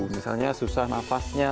misalnya susah nafasnya